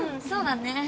そうだね。